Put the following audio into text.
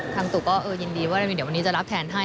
ทางตุก็ยินดีว่าวันนี้เดี๋ยวจะรับแทนให้